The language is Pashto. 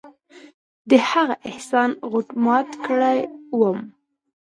د هغه احسان غوټ مات کړى وم.